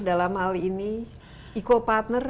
dalam hal ini eco partner